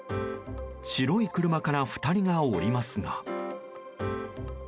白い車から２人が降りますが。